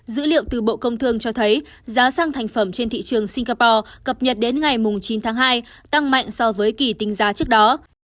dữ liệu từ bộ công thương cho thấy giá xăng thành phẩm trên thị trường singapore cập nhật đến ngày chín tháng hai tăng mạnh so với kỳ tính giá trước đó